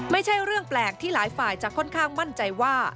ไม่ใช่เรื่องแปลกที่หลายฝ่ายจะค่อนข้างมั่นใจว่า